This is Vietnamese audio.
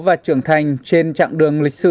và trưởng thành trên trạng đường lịch sử